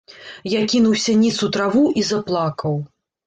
Я кінуўся ніц у траву і заплакаў.